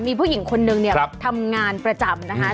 มีผู้หญิงคนนึงเนี่ยทำงานประจำนะคะ